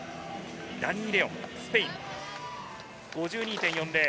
ダニー・レオン、スペイン、５２．４０。